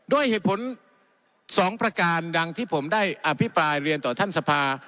ด้วยเหตุผล๒ประการดังที่ผมได้อภิปรายเรียนต่อท่านสภา